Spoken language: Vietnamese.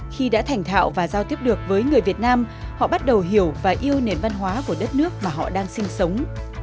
khi đã thành thạo và giao tiếp được với người việt nam họ bắt đầu hiểu và yêu nền văn hóa của đất nước mà họ đang sinh sống